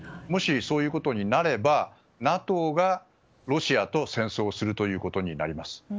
もし、そういうことになればＮＡＴＯがロシアと戦争をするということになります。